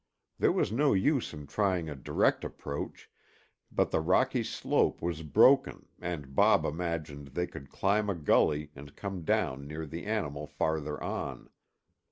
There was no use in trying a direct approach, but the rocky slope was broken and Bob imagined they could climb a gully and come down near the animal farther on.